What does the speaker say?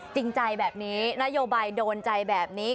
จริงใจแบบนี้นโยบายโดนใจแบบนี้